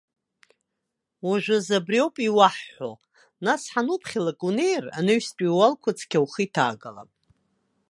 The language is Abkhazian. Уажәазы абри ауп иуаҳҳәо, нас ҳануԥхьалак унеир, анаҩстәи ууалқәа цқьа ухы иҭаагалап.